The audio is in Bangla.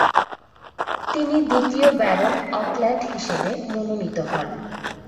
তিনি দ্বিতীয় ব্যারন অকল্যান্ড হিসেবে মনোনীত হন।